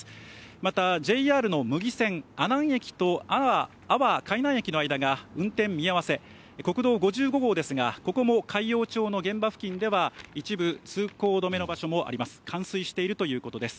また、ＪＲの牟岐線、阿南駅と阿波海南駅の間が運転見合わせ、国道５５号ですが、海陽町の現場付近では一部通行止めの場所もあります。